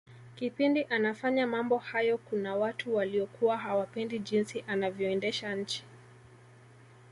kipindi anafanya mambo hayo Kuna watu waliokuwa hawapendi jinsi anavyoendesha nchi